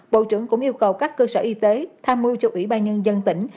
bộ trưởng cũng yêu cầu các cơ sở y tế tham mưu cho ủy ban nhân dân tỉnh